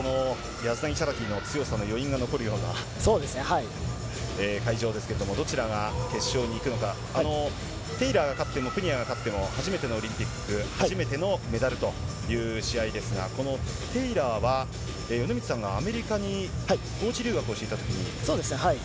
先ほどのヤズダニチャラティの強さの余韻が残っているような会場ですけれども、どちらが決勝に行くのか、テーラーイが勝っても、プニアが勝っても初めてのオリンピック、初めてのメダルという試合ですが、このテーラーはお兄さんがアメリカに留学をしていたときに。